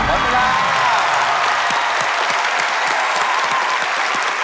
ขอบคุณครับ